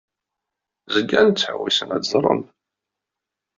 Zgan ttḥewwisen ad ẓren.